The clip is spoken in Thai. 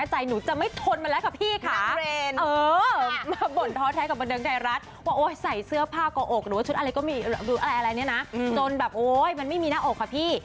จนแบบโอ๊ยมันไม่มีหน้าอกค่ะพี่